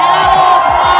gila lu semua